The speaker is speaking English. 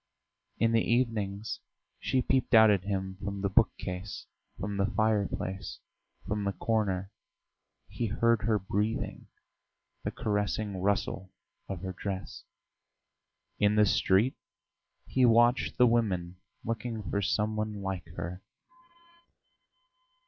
In the evenings she peeped out at him from the bookcase, from the fireplace, from the corner he heard her breathing, the caressing rustle of her dress. In the street he watched the women, looking for some one like her.